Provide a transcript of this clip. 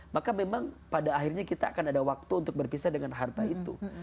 maka memang pada akhirnya kita akan ada waktu untuk berpisah dengan harta itu